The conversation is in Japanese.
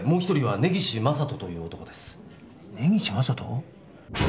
根岸正人？